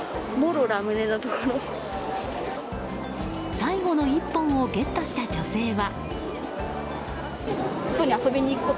最後の１本をゲットした女性は。